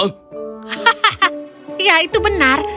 hahaha ya itu benar